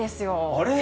あれ？